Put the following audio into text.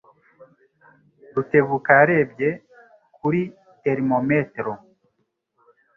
Rutebuka yarebye kuri termometero.